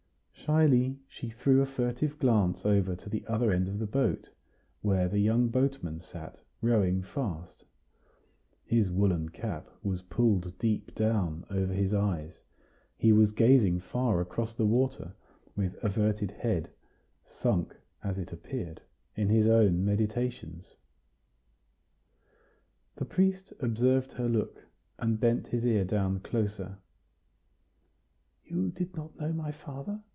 Shyly she threw a furtive glance over to the other end of the boat, where the young boatman sat, rowing fast. His woollen cap was pulled deep down over his eyes; he was gazing far across the water, with averted head, sunk, as it appeared, in his own meditations. The priest observed her look, and bent his ear down closer. "You did not know my father?"